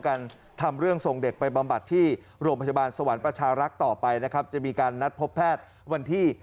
แกก็จะคุยตลอดนะ